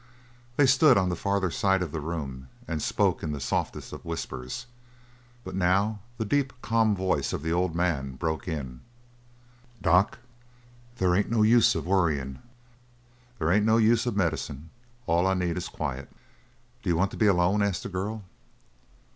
They stood on the farther side of the room and spoke in the softest of whispers, but now the deep, calm voice of the old man broke in: "Doc, they ain't no use of worryin'. They ain't no use of medicine. All I need is quiet." "Do you want to be alone?" asked the girl.